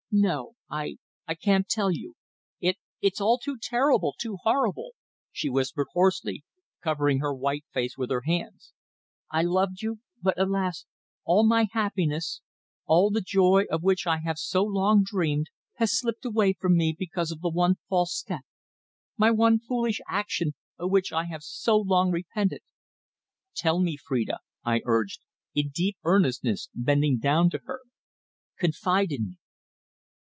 "No. I I can't tell you. It it's all too terrible, too horrible!" she whispered hoarsely, covering her white face with her hands. "I loved you, but, alas! all my happiness, all the joy of which I have so long dreamed, has slipped away from me because of the one false step my one foolish action of which I have so long repented." "Tell me, Phrida," I urged, in deep earnestness, bending down to her. "Confide in me."